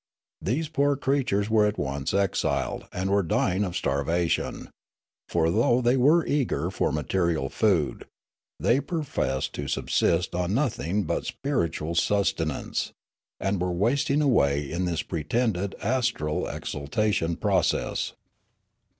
These poor creatures were at once exiled and were dying of starv ation; for, though they were eager for material food, they professed to subsist on nothing but spiritual 346 Riallaro sustenance, and were wasting away in this pretended astral exhalation process.